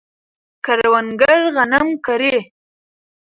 کروندګر غنم کري.